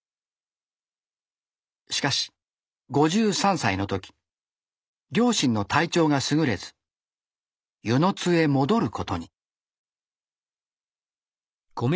しかし５３歳の時両親の体調がすぐれず温泉津へ戻ることに。